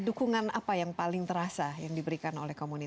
dukungan apa yang paling terasa yang diberikan oleh komunitas